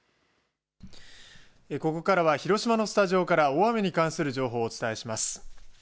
ここからは広島のスタジオから大雨に関する情報をお伝えします。